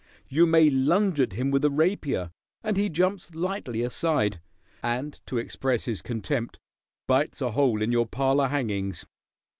You may lunge at him with a rapier, and he jumps lightly aside, and to express his contempt bites a hole in your parlor hangings.